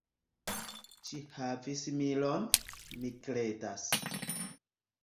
Ĝi havis milon, mi kredas.